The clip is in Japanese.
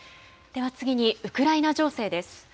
では次に、ウクライナ情勢です。